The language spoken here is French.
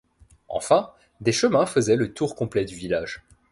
Enfin, des chemins faisaient le tour complet du village.